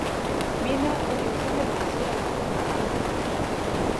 Mine ochiu siling’ mia achiel ng’ato kang’ato